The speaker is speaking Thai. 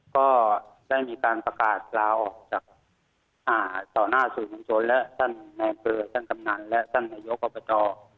ก็ได้มีการประกาศลาออกจากต่อหน้าสื่อมวลชนและท่านในอำเภอท่านกำนันและท่านนายกอบจ